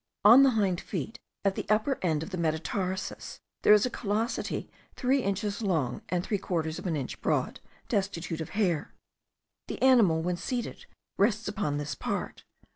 On the hind feet, at the upper end of the metatarsus, there is a callosity three inches long and three quarters of an inch broad, destitute of hair. The animal, when seated, rests upon this part.